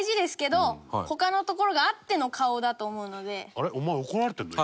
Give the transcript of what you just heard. あれお前怒られてるの？